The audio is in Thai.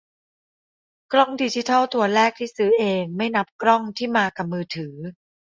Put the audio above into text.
กล้องดิจิทัลตัวแรกที่ซื้อเอง ไม่นับกล้องที่มากะมือถือ